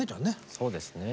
そうですね